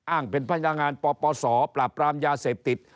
อ้างเป็นพะยางานป่๊อสปลาบรามยาเสพติด